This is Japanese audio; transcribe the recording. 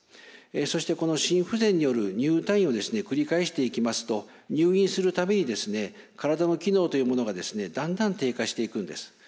そしてこの心不全による入退院を繰り返していきますと入院する度に体の機能というものがだんだん低下していくんです。